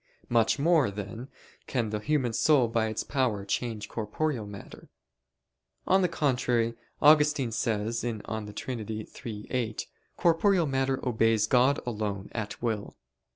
Much more, then, can the human soul by its power change corporeal matter. On the contrary, Augustine says (De Trin. iii, 8): "Corporeal matter obeys God alone at will."